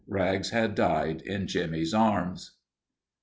Rags had died in Jimmie's arms.